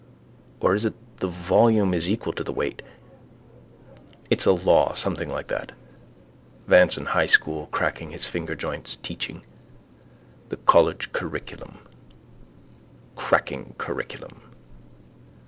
Or is it the volume is equal to the weight? It's a law something like that. Vance in High school cracking his fingerjoints, teaching. The college curriculum. Cracking curriculum.